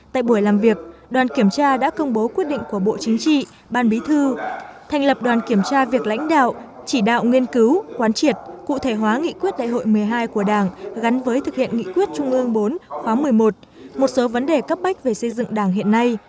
tại buổi làm việc đoàn kiểm tra đã công bố quyết định của bộ chính trị ban bí thư thành lập đoàn kiểm tra việc lãnh đạo chỉ đạo nghiên cứu quán triệt cụ thể hóa nghị quyết đại hội một mươi hai của đảng gắn với thực hiện nghị quyết trung ương bốn khóa một mươi một một số vấn đề cấp bách về xây dựng đảng hiện nay